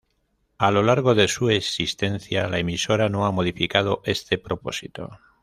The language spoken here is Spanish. A lo largo de su existencia, la emisora no ha modificado este propósito.